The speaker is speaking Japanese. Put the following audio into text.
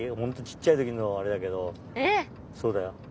んとちっちゃいときのあれだけどそうだよ。